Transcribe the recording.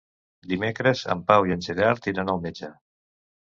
Dimecres en Pau i en Gerard iran al metge.